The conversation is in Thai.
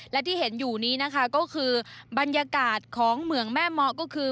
และที่เห็นอยู่นี้นะคะก็คือบรรยากาศของเหมืองแม่เมาะก็คือ